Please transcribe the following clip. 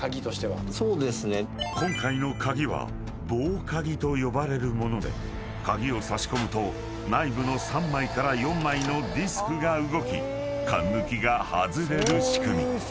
［今回の鍵は棒鍵と呼ばれる物で鍵をさし込むと内部の３枚から４枚のディスクが動きかんぬきが外れる仕組み］